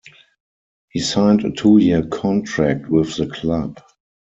He signed a two-year contract with the club.